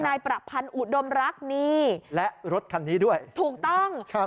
นายประพันธ์อุดมรักนี่และรถคันนี้ด้วยถูกต้องครับ